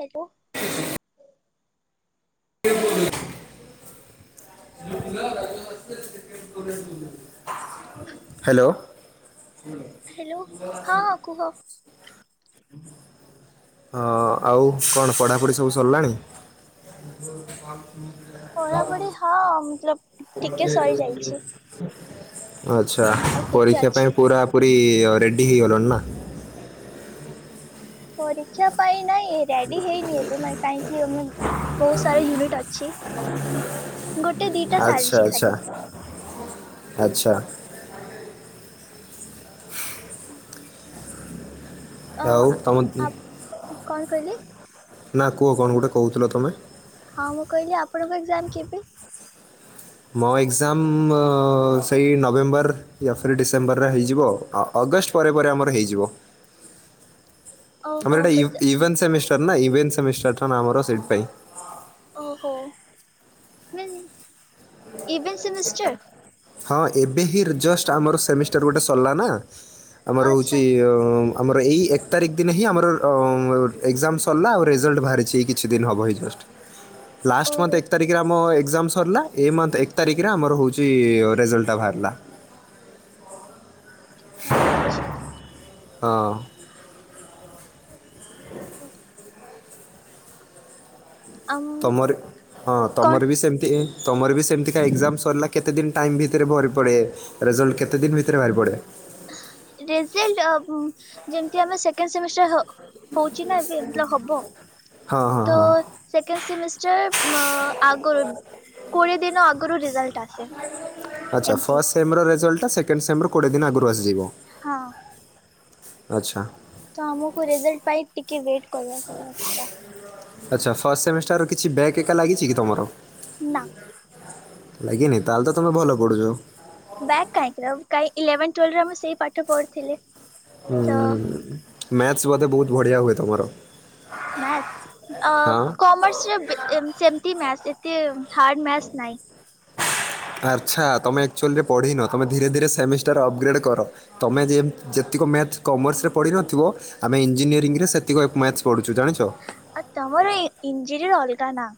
Hello. [inaudible] Hello. Hello. ହଁ ହଁ କୁହ। ହଁ ଆଉ କଣ ପଢାପଢି ସବୁ ସରିଲାଣି? [unintelligible] ପଢାପଢି ହଁ ଟିକେ ସରି ଯାଇଛି। ଆଛା ଟିକେ ପରୀକ୍ଷା ଅଛି ପାଇଁ ପୁରା ପୁରୀ ରେଡି ହେଇଗଲଣି ନା। ପରୀକ୍ଷା ପାଇଁ ନାଇଁ ରେଡି ହେଇନି ଏବେ। ମାନେ କାହିଁକି ଆମେ ବହୁତ ସାରା ୟୁନିଟ୍ ଅଛି। ଗୋଟେ ଦିଟା ଆଚ୍ଛା ସାରିଚି ଆଚ୍ଛା ଖାଲି। ଆଚ୍ଛା। ଅ ଆଉ ତମ ଆ କଣ କହିଲେ? ନା କୁହ କଣ ଗୋଟେ କହୁଥିଲ ତମେ। ହଁ ମୁଁ କହିଲି ଆପଣଙ୍କୁ ଏକ୍ଜାମ କେବେ? ମୋ ଏକ୍ଜାମ ସେଇ ନଭେମ୍ବର। ୟା ଫିରି ଡିସେମ୍ବରରେ ହେଇଯିବ ଆଉ। ଅଗଷ୍ଟ ପରେ ପରେ ଆମର ହେଇଯିବ। [inaudible] ଆମର ଏଇଟା ୟୁ ଅଗଷ୍ଟ ୟୁଭେନ୍ ସେମିଷ୍ଟର ନା ୟୁଭେନ ସେମିଷ୍ଟର ଟା ଆମର ସେଇଥିପାଇଁ। ଓହୋ। [unintelligible] ଇଭେଣ୍ଟ ସେମିଷ୍ଟର ହଁ ଏବେ ହିଁ ଜଷ୍ଟ୍ ଆମର ସେମିଷ୍ଟର ଗୋଟେ ସରିଲା ନା। ଆମର ଆଚ୍ଛା ହଉଚି ଆମର ଏଇ ଏକ ତାରିଖ ଦିନ ହିଁ ଆମର ଏକ୍ଜାମ ସରିଲା ଆଉ ରେଜଲ୍ଟ ବାହାରିଛି ଏଇ କିଛି ଦିନ ହେବ ହିଁ ଜଷ୍ଟ। ହଁ ଲାଷ୍ଟ ମନ୍ଥ ଏକ ତାରିଖରେ ଆମ ଏକ୍ଜାମ ସରିଲା ଏ ମନ୍ଥ ଏକ୍ ଏକ୍ ତାରିଖରେ ଆମର ହଉଛି ରେଜଲ୍ଟ ଟା ବାହାରିଲା। ଓ ଆଚ୍ଛା। ହଁ। [unintelligible] ଆମ ତମର ହଁ କଣ ତମର ବି ସେମି ତମର ବି ସେମିତିକା ଏକ୍ଜାମ ସରିଲା କେତେ ଦିନ ଟାଇମ୍ ଭିତରେ ବାହାରି ପଡ଼େ। ରେଜଲ୍ଟ କେତେ ଦିନ ଭିତରେ ବାହାରି ପଡେ? ରେଜଲ୍ଟ ଯେମତି ଆମେ ସେକେଣ୍ଡ ସେମିଷ୍ଟର ହ ହଉଚି ନା ଏବେ ଯେତବେଳେ ହବ ହଁ ହଁ ତ ହଁ ସେକେଣ୍ଡ ସେମିଷ୍ଟର ଅ ଆଗରୁ କୋଡିଏ ଦିନ ଆଗରୁ ରେଜଲ୍ଟ ଆସେ ଆଛା ଫଷ୍ଟ ଏମିତି ସେମ ର ରେଜଲ୍ଟ ଟା ସେକେଣ୍ଡ୍ ସେମ ର କୋଡିଏ ଦିନ ଆଗରୁ ଆସିଯିବ। ହଁ। ଆଚ୍ଛା। ତ ଆମକୁ ରେଜଲ୍ଟ ପାଇ ଟିକେ ୱେଟ୍ କରିବାକୁ ପଡେ ଏକ୍ସଟ୍ରା। ଆଚ୍ଛା ଫାଷ୍ଟ ସେମିଷ୍ଟାର ର କିଛି ବ୍ୟାକ ଏକା ଲାଗିଚି କି ତମର? ନା ଲାଗିନି ତାହେଲେ ତ ତମେ ଭଲ ପଢୁଚ। ବ୍ୟାକ୍ କାହିଁକି ଇଲେଭେନ ଟ୍ୱେଏଲଭ୍ ରେ ମୁଁ ସେଇ ପାଠ ପଢିଥିଲି। ଉଁ ମ୍ୟାଥସ ବୋଧେ ବହୁତ ବଢିଆ ହୁଏ ତମର? ମ୍ୟାଥସ୍ ହଁ ଅ କମର୍ସରେ ବେ ସେମିତି ମ୍ୟାଥ୍ସ ଏତେ ହାର୍ଡ଼ ମ୍ୟାଥ୍ସ୍ ନାହିଁ। ଆଚ୍ଛା ତୁମେ ଆକ୍ଚୁଲିରେ ପଢ଼ିନ ତୁମେ ଧୀରେ ଧୀରେ ସେମିଷ୍ଟାର ଅପଗ୍ରେଡ଼୍ କର। ତମେ ଯେ ଯେତିକ ମ୍ୟାଥ କମର୍ସରେ ପଢ଼ିନଥିବ ଆମେ ଇଞ୍ଜିନିୟରି ରେ ସେତିକି ମ୍ୟାଥ ପଢୁ ଜାଣିଛ। ଆଉ ତମର ଇଞ୍ଜିନିୟର ଅଲଗା ନା।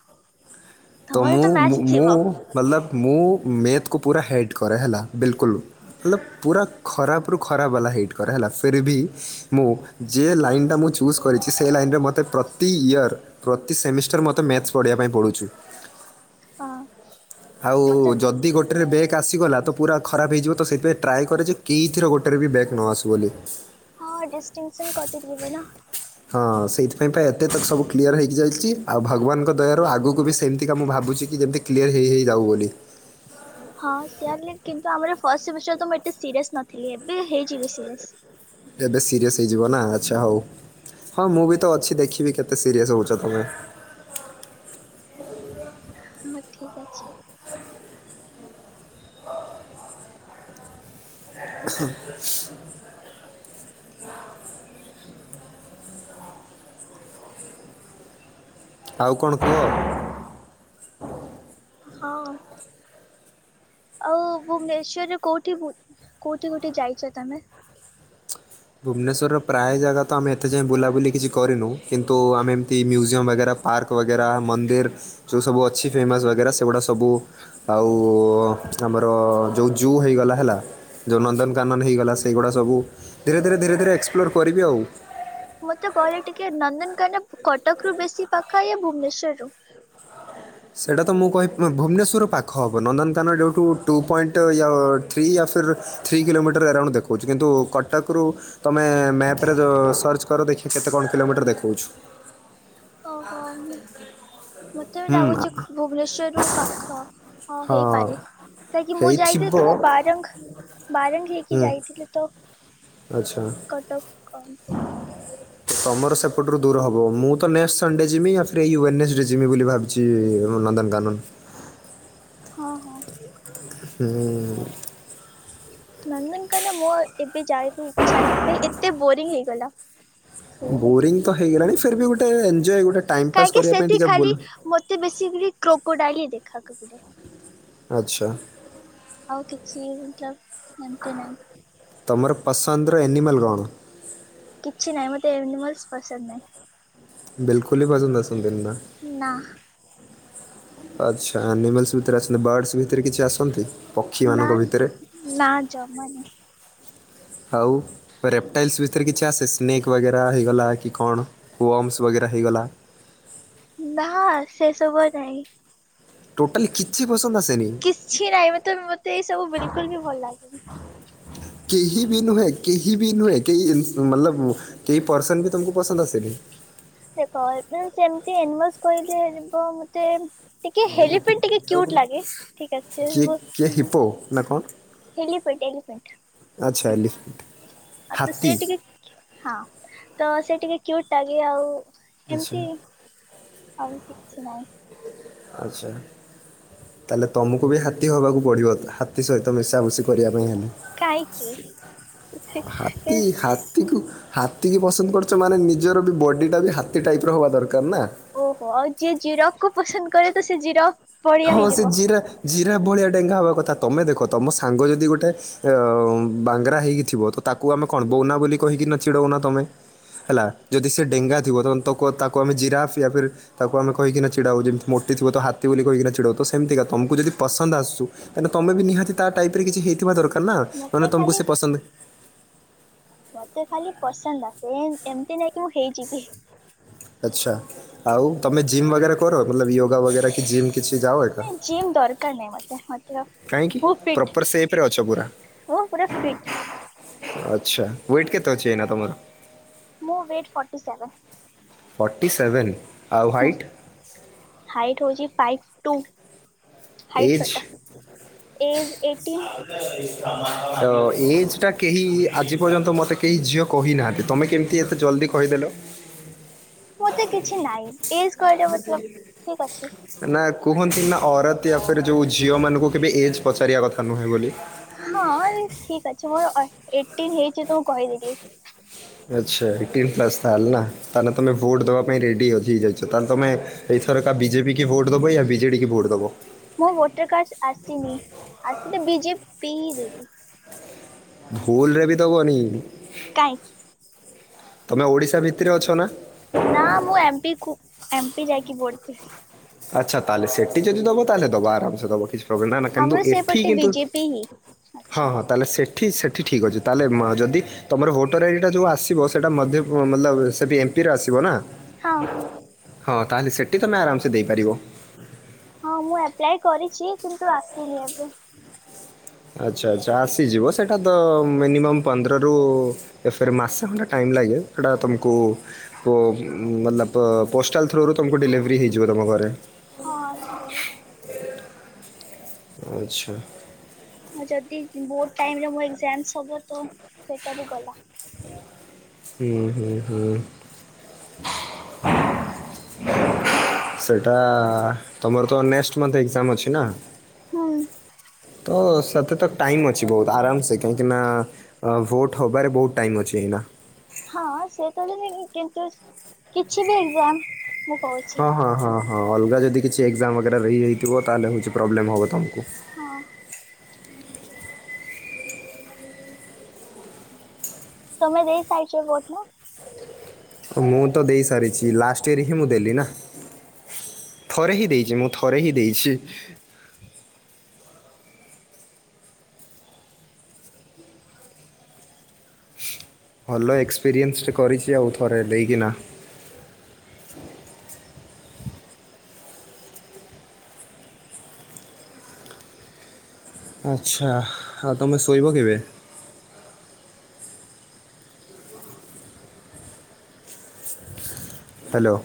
ତ ତମର ମୁଁ ମ୍ୟାଥ୍ ଥିବ ମୁଁ ମତଲବ ମୁଁ ମେଥକୁ ପୁରା ହେଟ୍ କରେ ହେଲା ବିଲକୁଲ। ମତଲବ ପୁରା ଖରାପରୁୁ ଖରାପ ବାଲା ହେଇଟ କରେ ହେଲା ଫେର୍ ବି ମୁଁ ଯେ ଲାଇନ୍ ଟା ମୁଁ ଚୁଜ୍ କରିଛି ସେହି ଲାଇନ୍ ରେ ମୋତେ ପ୍ରତି ଇୟର୍ ପ୍ରତି ସେମିଷ୍ଟାର ମୋତେ ମ୍ୟାଥ ପଢ଼ିବା ପାଇଁ ପଡ଼ୁଛୁ। ହଁ। ଆଉ ମତେ ଯ ଯଦି ଗୋଟେରେ ବ୍ୟାଗ୍ ଆସିଗଲା ତ ପୁରା ଖରାପ ହେଇଯିବ ତ ସେଥିପାଇଁ ଟ୍ରାଏ କରେ ଯେ କିଥରେ ଗୋଟେରେ ବି ବ୍ୟାଗ୍ ନ ଆସୁ ବୋଲି। ହଁ ଡିଷ୍ଟିଂସନ କଟିଯିବ ନା। ହଁ ସେଇଥିପାଇଁ ଏତେ ତ ସବୁ କ୍ଲିୟର ହେଇକି ଯାଇଛି ଆଉ ଭଗବାନଙ୍କ ଦୟାରୁ ଆଗକୁ ବି ସେମିତିକା ମୁଁ ଭାବୁଛି ଯେମିତି କ୍ଲିୟର ହେଇ ହେଇଯାଉ ବୋଲି। ହଁ ସେୟା କିନ୍ତୁ ଆମର ଫାଷ୍ଟ ସେମିଷ୍ଟାର ତ ମୁଁ ଏତେ ସିରିୟସ୍ ନଥିଲି ଏବେ ହେଇଯିବି ସିରିଏସ। ଏବେ ସିରିଏସ୍ ହେଇଯିବ ନା ଆଚ୍ଛା ହଉ। ହଁ ମୁଁ ବି ତ ଅଛି ଦେଖିବି କେତେ ସିରିଅସ ହଉଛ ତମେ। ହଁ ଠିକ ଅଛି। ହୁଁ। ଆଉ କଣ କୁହ? ହଁ। ଆଉ ଭୁବନେଶ୍ଵରରେ କୋଉଠି ଗୋ କୋଉଠି ଗୋଟେ ଯାଇଛ ତମେ? ଭୁବନେଶ୍ୱରର ପ୍ରାୟ ଜାଗା ତ ଆମେ ଏତେ ଯାଇଁ ବୁଲାବୁଲି କିଛି କରିନୁ କିନ୍ତୁ ଆମେ ଏମିତି ମ୍ୟୁଜିୟମ୍ ବଗେରା ପାର୍କ ବଗେରା ମନ୍ଦିର ଯେଉଁ ସବୁ ଅଛି ଫେମସ୍ ବଗେରା ସେଗୁଡ଼ା ସବୁ ଆଉ ଆମର ଯେଉଁ ଜୁ ହେଇଗଲା ହେଲା ଯେଉଁ ନନ୍ଦନକାନନ ହେଇଗଲା ସେଇଗୁଡ଼ା ସବୁ ଧୀରେ ଧୀରେ ଧୀରେ ଧୀରେ ଏକ୍ସପ୍ଲୋର କରିବି ଆଉ। ମତେ କହିଲେ ଟିକେ ନନ୍ଦନକାନ କଟକ ରୁ ବେଶୀ ପାଖ ୟା ଭୁବନେଶ୍ୱର ରୁ। ସେଇଟା ତ ମୁଁ କହି ଭୁବନେଶ୍ୱର ରୁ ପାଖ ହବ ନନ୍ଦନକାନନ ଯେଉଁଠୁ ଟୁ ପଏଣ୍ଟ ଥ୍ରୀ ୟା ଫିର ଥ୍ରୀ କିଲୋମିଟର ଆରାଉଣ୍ଡ ଦେଖଉଛି କିନ୍ତୁ କଟକରୁ ତମେ ମ୍ୟାପରେ ଯୋ ସର୍ଚ୍ଚ କର ଦେଖ କେତେ କଣ କିଲୋମିଟର ଦେଖଉଛି? ଓହୋ ମତେ ବି ହୁଁ ଲାଗୁଛି ଭୁବନେଶ୍ଵର ରୁ ପାଖ ହଁ ହଁ ହେଇପାରେ କାହିଁକି ମୁଁ ହେଇଥିବ ଯାଇଥିଲି ତ ମୁଁ ବାରଙ୍ଗ ବାରଙ୍ଗ ହେଇକି ହୁଁ ଯାଇଥିଲି ତ ଆଚ୍ଛା। କଟକ [unintelligible] ତମର ସେପଟରୁ ଦୂର ହବ ମୁଁ ତ ନେକଷ୍ଟ ସଣ୍ଡେ ଯିବି ୟା ଫିର୍ ୱେନେଷ୍ଟ ଡେ ରେ ଯିବି ବୋଲି ଭାବି ଯୁ ନନ୍ଦନକାନନ। ହଁ ହଁ। ହୁଁ। ନନ୍ଦନ କାନନ ମୋ ଏବେ ଯାଇକୁ ଇଛା ନାହିଁ କାଇହି ଏତେ ବୋରିଂ ହେଇଗଲା। ସେଇ ଗୋଟେ ବୋରିଙ୍ଗ ତ ହେଇଗଲାଣି ଫେର୍ ବି ଗୋଟେ ଏଞ୍ଜୟ୍ ଗୋଟେ ଟାଇ ପାସ୍ କାହିଁକି କରିବା ପାଇଁ ସେଠି ଟିକେ ଖାଲି ବୁଲ ମତେ ବେଶିକାଲି କ୍ରୋକୋ ଡାଏଲ୍ ଦେଖା ଗଲେ ଆଚ୍ଛା। ଆଉ କିଛି ମତଲବ ଏମିତି ନାହିଁ। ତୁମର ପସନ୍ଦର ଆନିମଲ୍ କଣ? କିଛି ନାହିଁ ମତେ ଏନିମଲସ ପସନ୍ଦ ନାହିଁ। ବିଲକୁଲ ବି ପସନ୍ଦ ଆସନ୍ତିନି ବା? ନା। ଆଚ୍ଛା ଆନିମଲସ ଭିତରେ ଆସନ୍ତି ବାର୍ଡସ୍ ଭିତରେ କିଛି ଆସନ୍ତି ପକ୍ଷୀ ନା ମାନଙ୍କ ଭିତରେ? ନା ଜମାନି ଆଉ ରେପଟାଇଲ୍ସ ଭିତରେ କିଛି ଆସେ ସ୍ନେକ୍ ବଗେରା ହେଇଗଲା କି କଣ? ୱମସ୍ ବଗେରା ହେଇଗଲା ନାହାଁ ସେ ସବୁ ନାହିଁ ଟୋଟାଲ କି- କିଛି ପସନ୍ଦ ଆ- କିଛି ନାହିଁ ମୋତେ ମୋତେ ଏଇ ସବୁ ବିଲକୁଲ ବି ଭଲ ଲାଗେନି କେହି ବି ନୁହେଁ କେହି ବି ନୁହେଁ କେହି [unintelligible] କେହି ପରସନ ବି ତମକୁ ପସନ୍ଦ ଆସେନି ସେ [unintelligible] ମୋତେ ଟିକେ ହେଲିପେଟ ଟିକେ କ୍ୟୁଟ୍ ଲାଗେ ଠିକ କିଏ ଅ କିଏ ହିବ ନା କଣ ହେଲିପେଟେ ଆଚ୍ଛା ତ ସେ ହାତୀ ଟିକେ ହଁ ତ ସେ ଟିକେ କ୍ୟୁଟ ଲାଗେ ଆଉ ଆଚ୍ଛା ଏମିତି ଆଉ କିଛି ନାହିଁ ଆଚ୍ଛା ତାହେଲେ ତମକୁ ବି ହାତୀ ହବାକୁ ପଡିବ ହାତୀ ସହିତ ମିଶାମିଶି କରିବା ପାଇଁ ହେଲେ କାହିଁକି ହାତୀ ହାତ ହାତୀକି ପସନ୍ଦ କରୁଛ ମାନେ ନିଜର ବି ବଡ଼ିଟା ବି ହାତୀ ଟାଇପ ର ହବା ଦରକାର ନା ଓହୋ ଆଉ ଯିଏ ଜିରଫ କୁ ପସନ୍ଦ କରେ ତ ସେ ଜିରଫ ହଁ ସେ ଜିରା ଜିରାଫ ଭଳିଆ ଡେଙ୍ଗା ହବା କଥା ତମେ ଦେଖ ତମ ସାଙ୍ଗ ଯଦି ଗୋଟେ ଅ ବାଙ୍ଗରା ହେଇକି ଥିବ ତ ତାକୁ ଆମେ କଣ ବଉନା ବୋଲି କହିକି ନା ଚିଡଉନା ତମେ ହେଲା ଯଦି ସେ ଡେଙ୍ଗା ଥିବ ତ ତାକୁ ଆମେ ଜିରାଫ ୟା ତାକୁ ଆମେ କହିକି ନା ଚିଡାଉ ଯେମିତି ମୋଟି ଥିବ ତ ହାତୀ ବୋଲି କହିକିନା ଚିଡଉ ତ ସେମତିକା ତମକୁ ଯଦି ପସନ୍ଦ ଆସୁ ତାହାଲେ ତମେ ନିହାତି ତା ଟାଇପ ରେ କିଛି ହେଇଥିବା ଦରକାର ହେନା ମାନେ ମତେ ତମକୁ ସେ ପସନ୍ଦ ମୋତେ ଖାଲି ପସନ୍ଦ ଆସେ [unintelligible] ଏମତି ନାଇଁ କହି [unintelligible] ଆଚ୍ଛା ଆଉ ତମେ ଜିମ ବଗେରା କର ୟୋଗା ବଗେରା କି ଜିମ କିଛି ଯାଅ ଏକା ନାଇଁ ଜିମ୍ ଦରକାର ନହିଁ ମୋତେ ମୋ ଦେହ - କାହିଁକି ପ୍ରପର ସେପ୍ରେ ଅଛ ପୁରା। ମୁଁ ପୁରା ଫିଟ୍। ଆଚ୍ଛା ୱେଟ୍ କେତେ ଅଛି ଏଇନା ତମର? ମୁଁ weight forty seven. Forty seven ଆଉ ହାଇଟ୍। ହାଇଟ ହଉଛି ଫାଇଭ ଟୁ ହାଇଟ ଏଜ୍ ଛୋଟ ଏଜ ଏଇଟିନ [unintelligible] ତ ଏଜ ଟା କେହି ଆଜି ପର୍ଯ୍ୟନ୍ତ ମୋତେ କେହି ଝିଅ। କହିନାହାନ୍ତି ତୁମେ କେମିତି ଏତେ ଜଲ୍ଦି କହିଦେଲ। ମୋତେ କିଛି ନାହିଁ ଏଜ କହିଲେ ମତଲବ ଠିକ ଅଛି। ନା କୁହନ୍ତି ନା ଔରତ ୟା ଫିର୍ ଯୋଉ ଝିଅ ମାନଙ୍କୁ କେବେ ଏଜ ପଚାରିବା କଥା ନୁହେଁ ବୋଲି। ହଁ ଠିକ୍ ଅଛି ମୋର ଏଇଟିନ୍ ହେଇଛି ତ ମୁଁ କହିଦେଲିି ଆଚ୍ଛା ଏଇଟିନ୍ ପ୍ଲସ ତା ହେଲେ ନା ତାହେଲେ ତମ ଭୋଟ ଦେବା ପାଇଁ ରେଡି [unintelligible] ଯାଇଛ ତାହେଲେ ତମେ ଏଇଥର କା ବିଜେପି କି ଭୋଟ ଦବୟା ବିଜେଡି କି ଭୋଟ ଦବ। ମୁଁ ଭୋଟର କାର୍ଡ ଆସିନି ଆସିଲେ ବିଜେପି ହିଁ ଦେବି। ଭୁଲରେ ବି ଦବନିି। କାହିଁ। ତମେ ଓଡ଼ିଶା ଭିତରେ ଅଛ ନା। ନା ମୁଁ ଏମପି କୁ ଏମ ପି ଯାଇକି ଭୋଟ ଦେବି। ଆଚ୍ଛା ତାହେଲେ ସେଠି ଯଦି ଦବ ତାହେଲେ ଦବ ଆରାମସେ ଦବ କିଛି ପ୍ରୋବ୍ ନା ନା କିନ୍ତୁ ଆମର ଏଠି ସେପଟେ କିନ୍ତୁ ବିଜେପି ହିଁ ହଁ ଅଛି ହଁ। ତାହେଲେ ସେଠି ସେଠି ଠିକଅଛି ତାହେଲେ ଯଦି ତମର ଭୋଟର ଆଇ ଡି ଟା ଯୋଉ ଆସିବ ସେଟା ମଧ୍ୟପ ମତଲବ୍ ସେଠି ଏମପିରେ ଆସିବ ନା। ହଁ। ହଁ ତାହେଲେ ସେଠି ତମେ ଆରାମସେ ଦେଇପାରିବ। ହଁ ମୁଁ ଏପ୍ଲାଏ କରିଛି କିନ୍ତୁ ଆସିନି ଏବେ। ଆଚ୍ଛା ଆଚ୍ଛା ଆସିଯିବ ସେଇଟା ତ ମିନିମମ୍ ପନ୍ଦରରୁ ଏ ଫେରେ ମାସେ ଖଣ୍ଡେ ଟାଇମ୍ ଲାଗେ ସେଟା ତୁମକୁ ପୋ ମତଲବ ପ ପୋଷ୍ଟାଲ୍ ଥ୍ରୁରୁ ତୁମକୁ ଡେଲିଭରି ହେଇଯିବ ତୁମ ଘରେ। ହଁ ସେଇ ଆଚ୍ଛା। ହଁ ଯଦି ଭୋଟ୍ ଟାଇମରେ ମୋ ଏଜାମସ୍ ହବ ତ ସେଇଟା ବି ଗଲା। ହୁଁ ହୁଁ ହୁଁ। [unintelligible] ସେଇଟା ତମର ତ ନେକଟ୍ ମନଥ୍ ଏଗଜାମ୍ ଅଛି ନା? ହୁଁ। ତ ସେଥିତ ଟାଇମ୍ ଅଛି ବୋହୁତ ଆରାମସେ କାହିଁକି ନା ଅ ଭୋଟ୍ ହବାରେ ବୋହୁତ ଟାଇମ ଅଛି ଏଇନା। ହଁ ସେ ତ ଜିବିନି କିନ୍ତୁ କିଛି ବି ଏଜାଗମ ହଁ ହଁ ହଁ ହଁ ଅଲଗା ଯଦି କିଛି ଏଗଜାମ ବଗେରା ରହିଯାଇଥିବ ତାହେଲେ ହୋଉଚି ପ୍ରୋବ୍ଲେମ୍ ହବ ତମକୁ। ହଁ। ତମେ ଦେଇ ସାରିଚ ଭୋଟ ନା? ମୁଁ ତ ଦେଇ ସାରିଚି ଲାଷ୍ଟ ଇୟର ହିଁ ମୁଁ ଦେଲି ନା। ଥରେ ହି ଦେଇଛି ମୁଁ ଥରେ ହି ଦେଇଛି। ଭଲ ଏକ୍ସପେରିଏନ୍ସଟେ କରିଚି ଆଉ ଥରେ ଦେଇକିନା। ଆଚ୍ଛା ଆଉ ତମେ ଶୋଇବ କେବେ? ହାଲୋ।